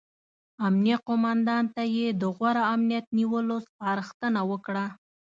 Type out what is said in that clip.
امنیه قوماندان ته یې د غوره امنیت نیولو سپارښتنه وکړه.